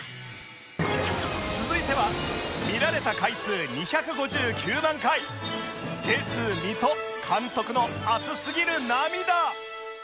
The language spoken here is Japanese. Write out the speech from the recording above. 続いては見られた回数２５９万回 Ｊ２ 水戸監督の熱すぎる涙